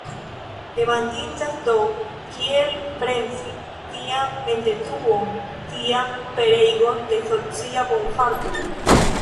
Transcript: Demandindas, do, kiel bremsi tian memdetruon, tian pereigon de socia bonfarto.